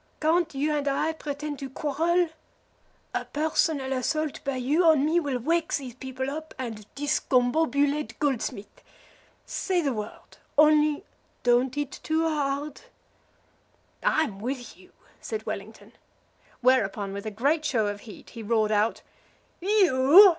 Can't you and I pretend to quarrel? A personal assault by you on me will wake these people up and discombobulate Goldsmith. Say the word only don't hit too hard." "I'm with you," said Wellington. Whereupon, with a great show of heat, he roared out, "You?